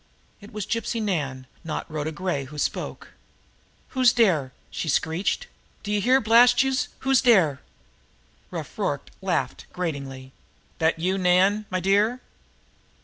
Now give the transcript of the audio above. It was Gypsy Nan, not Rhoda Gray, who spoke. "Who's dere?" she screeched. "D'ye hear, blast youse, who's dere?" Rough Rorke laughed gratingly. "That you, Nan, my dear?"